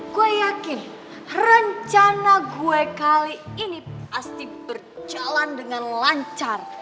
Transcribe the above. gue yakin rencana gue kali ini pasti berjalan dengan lancar